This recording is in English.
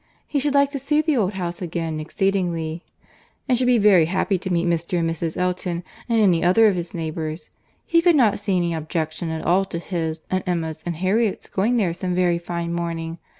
He should like to see the old house again exceedingly, and should be very happy to meet Mr. and Mrs. Elton, and any other of his neighbours.—He could not see any objection at all to his, and Emma's, and Harriet's going there some very fine morning.